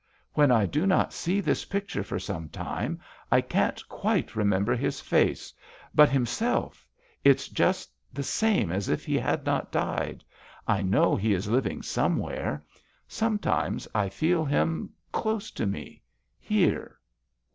When I do not see this picture for some time I can't quite remember his face^ but him self It's just the same as if he had not died ; I know he is living somewhere ; sometimes I feel him close to me — ^here."